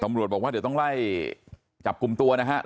ตำรวจบอกว่าเดี๋ยวต้องไล่จับกลุ่มตัวนะครับ